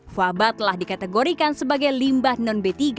faba telah dikategorikan sebagai limbah non b tiga